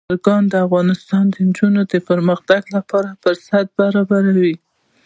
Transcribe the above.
چرګان د افغان نجونو د پرمختګ لپاره فرصتونه برابروي.